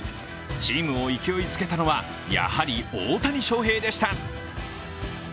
チームを勢いづけたのは、やはり大谷翔平でした。